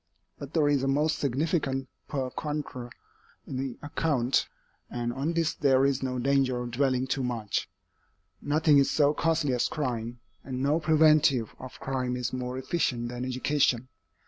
But there is a most significant per contra in the account, and on this there is no danger of dwelling too much. Nothing is so costly as crime, and no preventive of crime is more efficient than education.